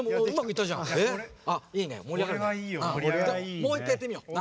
もう１かいやってみよう。